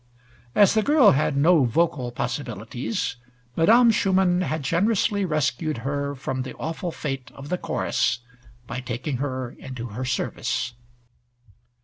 As the girl had no vocal possibilities, Madame Schumann had generously rescued her from the awful fate of the chorus by taking her into her service.